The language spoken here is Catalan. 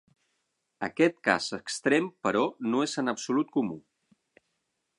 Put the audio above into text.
Aquest cas extrem, però, no és en absolut comú.